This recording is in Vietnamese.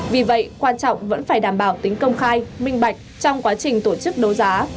vì vậy quan trọng vẫn phải đảm bảo tính công khai minh bạch trong quá trình tổ chức đấu giá